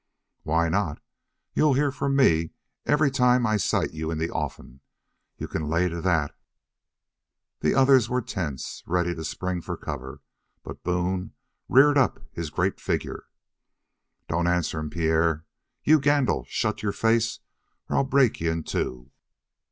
"Why not? You'll hear from me every time I sight you in the offing. You c'n lay to that!" The others were tense, ready to spring for cover, but Boone reared up his great figure. "Don't answer him, Pierre. You, Gandil, shut your face or I'll break ye in two."